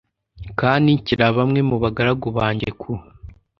kandi nshyira bamwe mu bagaragu banjye ku